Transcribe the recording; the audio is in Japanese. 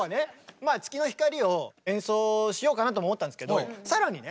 まあ「月の光」を演奏しようかなとも思ったんですけど更にね